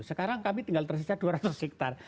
sekarang kami tinggal tersisa dua ratus hektare